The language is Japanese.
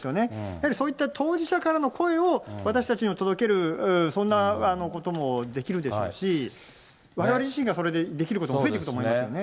やはりそういった当事者からの声を私たちに届ける、そんなこともできるでしょうし、われわれ自身がそれでできることも増えていくと思いますよね。